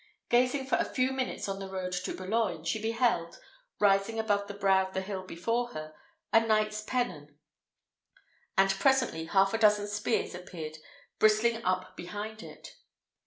Gazing for a few minutes on the road to Boulogne, she beheld, rising above the brow of the hill before her, a knight's pennon, and presently half a dozen spears appeared bristling up behind it.